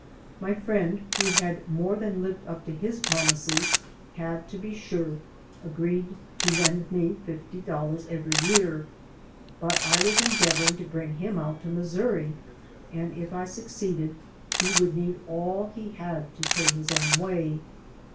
My friend, who had more than lived up to his promises, had, to be sure, agreed to lend me fifty dollars every year, but I was endeavor ing to bring him out to Missouri, and if I succeeded he woidd need all he had to pay his own way.